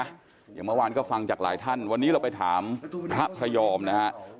อย่างเมื่อวานก็ฟังจากหลายท่านวันนี้เราไปถามพระพระยอมนะฮะ